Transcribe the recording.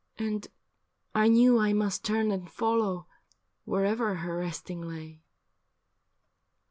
And I knew I must turn and follow Wherever her resting lay.'